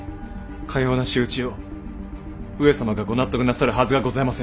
かような仕打ちを上様がご納得なさるはずがございませぬ！